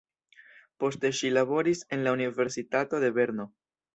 Poste ŝi laboris en la universitato de Berno.